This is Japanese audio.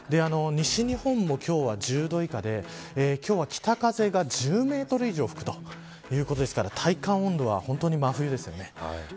西日本も今日は１０度以下で今日は北風が１０メートル以上吹くということですから体感温度はほんとに真冬ですね。